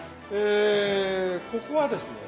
ここはですね